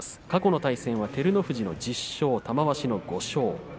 過去の対戦は照ノ富士の１０勝玉鷲の５勝。